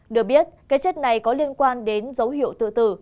được biết cái chết này có liên quan đến dấu hiệu tự tử